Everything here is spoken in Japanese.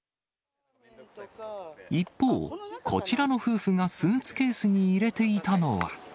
一方、こちらの夫婦がスーツケースに入れていたのは。